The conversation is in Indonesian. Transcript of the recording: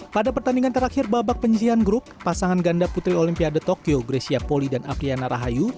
pada pertandingan terakhir babak penyisian grup pasangan ganda putri olimpiade tokyo grecia poli dan apriana rahayu